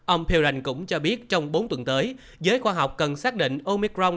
ông perurain cũng cho biết trong bốn tuần tới giới khoa học cần xác định omicron